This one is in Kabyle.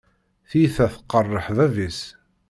Tiyita tqeṛṛeḥ bab-is.